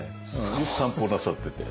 よく散歩なさってて。